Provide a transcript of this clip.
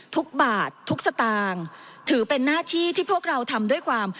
ทุกบาททุกสตางค์ถือเป็นหน้าที่ที่พวกเราทำด้วยความ